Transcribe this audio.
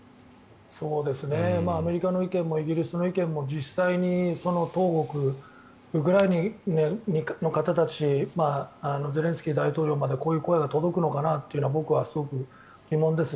アメリカの意見もイギリスの意見も実際に当国、ウクライナの方たちゼレンスキー大統領までこういう声が届くのかなというのは僕はすごく疑問です。